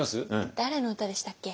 誰の歌でしたっけ？